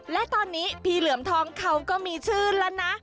และตอนนี้พี่เหลือมทองเขาก็มีชื่อแล้วนะ